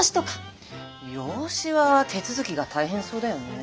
養子は手続きが大変そうだよね。